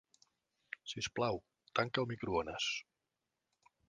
Sisplau, tanca el microones.